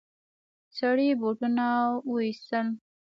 سړي بوټونه وايستل.